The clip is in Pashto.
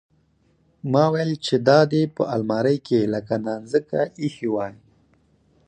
ما ويل چې دا دې په المارۍ کښې لکه نانځکه ايښې واى.